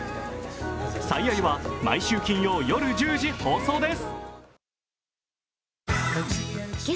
「最愛」は毎週金曜日夜１０時放送です。